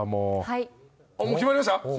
はい決まりました。